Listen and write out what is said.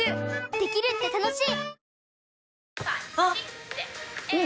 できるって楽しい！